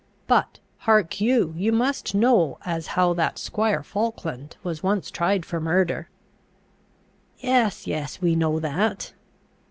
But, hark you! you must know as how that squire Falkland was once tried for murder" "Yes, yes, we know that."